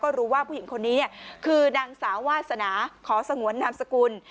รู้ว่าผู้หญิงคนนี้คือนางสาววาสนาขอสงวนนามสกุล